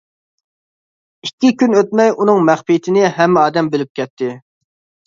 ئىككى كۈن ئۆتمەي ئۇنىڭ مەخپىيىتىنى ھەممە ئادەم بىلىپ كەتتى.